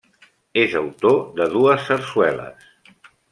És autor de dues sarsueles.